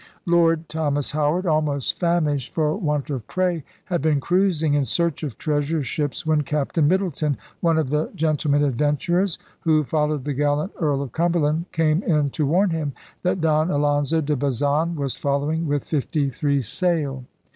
Lord Thomas Howard, * almost famished for want of prey,' had been cruising in search of treasure ships when Captain Middleton, one of the gentle men adventurers who followed the gallant Earl of Cumberland, came in to warn him that Don Alonzo de Bazan was following with fifty three sail.